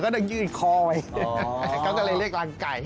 เขาต้องยื่นคอไว้เขาจะเลยเรียกหลังไก่